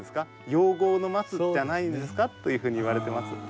影向の松じゃないんですかというふうに言われてます。